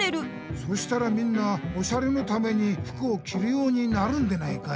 そしたらみんなオシャレのために服をきるようになるんでないかい？